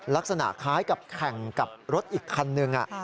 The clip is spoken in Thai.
ลักษณะคล้ายกับแข่งกับรถอีกคันนึง